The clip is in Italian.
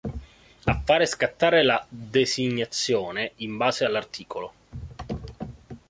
A fare scattare la designazione, in base all’art.